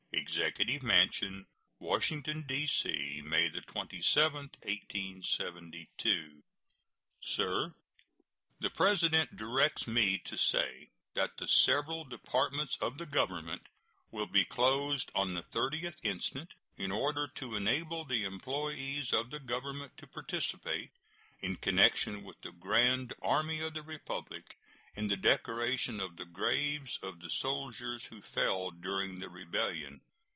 EXECUTIVE MANSION, Washington, D.C., May 27, 1872. SIR: The President directs me to say that the several Departments of the Government will be closed on the 30th instant, in order to enable the employees of the Government to participate, in connection with the Grand Army of the Republic, in the decoration of the graves of the soldiers who fell during the rebellion.